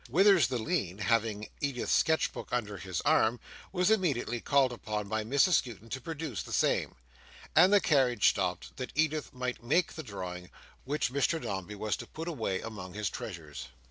Withers the lean having Edith's sketch book under his arm, was immediately called upon by Mrs Skewton to produce the same: and the carriage stopped, that Edith might make the drawing, which Mr Dombey was to put away among his treasures.